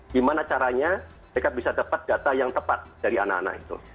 gimana caranya mereka bisa dapat data yang tepat dari anak anak itu